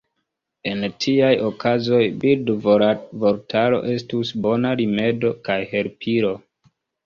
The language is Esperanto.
En tiaj okazoj, bildvortaro estus bona rimedo kaj helpilo.